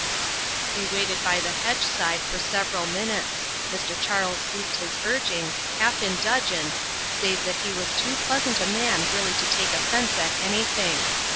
We waited by the hedge side for several minutes Mr. Charles ceased his urging, half in dudgeon, save that he was too pleasant a man really to take offence at anything.